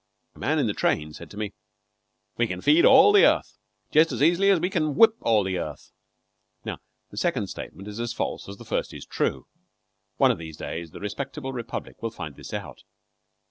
A man in the train said to me: "We kin feed all the earth, jest as easily as we kin whip all the earth." Now the second statement is as false as the first is true. One of these days the respectable Republic will find this out.